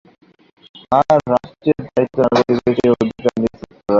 আর রাষ্ট্রের দায়িত্ব নাগরিকের সেই অধিকার নিশ্চিত করা।